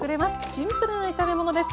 シンプルな炒め物です。